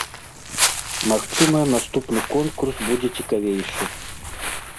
Магчыма, наступны конкурс будзе цікавейшы.